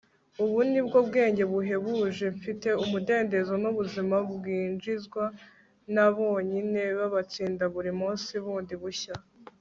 ubu ni bwo bwenge buhebuje mfite; umudendezo n'ubuzima byinjizwa n'abonyine babatsinda buri munsi bundi bushya